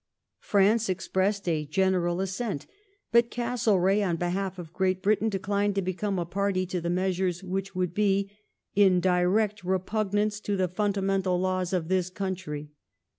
^ 'France expressed a general assent, but Castlereagh, on behalf of Great Britain, declined to become a party to the measures which would be in direct repugnance to the fundamental laws of this country